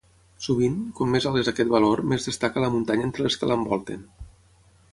Sovint, com més alt és aquest valor més destaca la muntanya entre les que l'envolten.